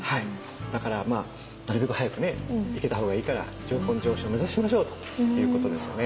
だからまあなるべく早くね行けた方がいいから上品上生を目指しましょうということですよね。